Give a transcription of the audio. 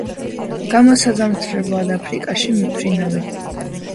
გამოსაზამთრებლად აფრიკაში მიფრინავენ.